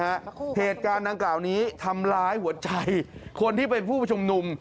เหตุการณ์ดังกล่าวนี้ทำร้ายหัวใจคนที่เป็นผู้ชุมนุม